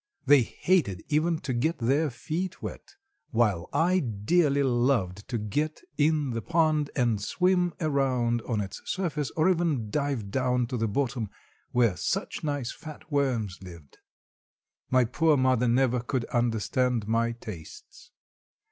They hated even to get their feet wet, while I dearly loved to get in the pond, and swim around on its surface, or even dive down to the bottom, where such nice fat worms lived. My poor mother never could understand my tastes.